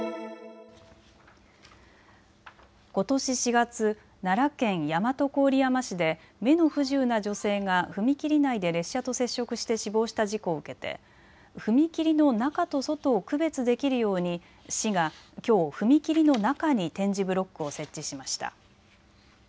ことし４月、奈良県大和郡山市で目の不自由な女性が踏切内で列車と接触して死亡した事故を受けて踏切の中と外を区別できるように市がきょう踏切の中に点字ブロックを設置しました。